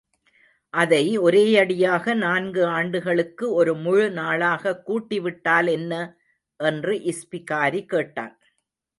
அதை ஒரேயடியாக நான்கு ஆண்டுகளுக்கு ஒரு முழு நாளாகக் கூட்டிவிட்டால் என்ன? என்று இஸ்பிகாரி கேட்டான்.